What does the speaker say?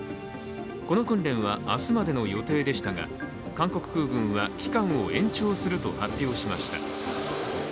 この訓練は明日までの予定でしたが韓国空軍は、期間を延長すると発表しました。